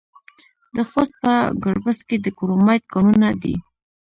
د خوست په ګربز کې د کرومایټ کانونه دي.